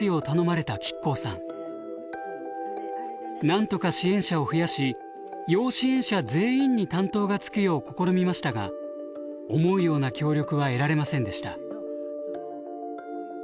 なんとか支援者を増やし要支援者全員に担当がつくよう試みましたが思うような協力は得られませんでした。